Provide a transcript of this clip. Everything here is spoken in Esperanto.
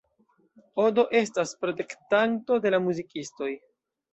Odo estas protektanto de la muzikistoj.